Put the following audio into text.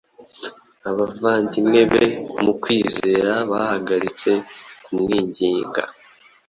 abavandimwe be mu kwizera bahagaritse kumwinginga